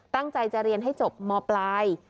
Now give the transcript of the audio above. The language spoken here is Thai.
ตั้งใจจะเรียนให้จบมปลาย